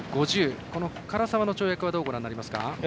柄澤の跳躍はどうご覧になりますか？